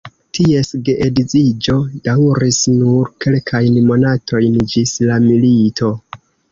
Ties geedziĝo daŭris nur kelkajn monatojn ĝis la milito.